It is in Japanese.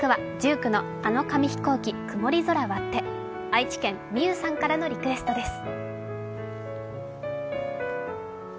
愛知県、みゆさんからのリクエストです。